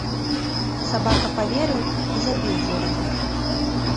Сабака паверыў і забіў ворага.